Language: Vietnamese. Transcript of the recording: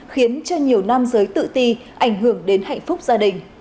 khiến cho nhiều nam giới tự ti ảnh hưởng đến hạnh phúc gia đình